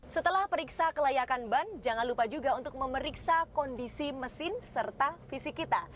setelah periksa kelayakan ban jangan lupa juga untuk memeriksa kondisi mesin serta fisik kita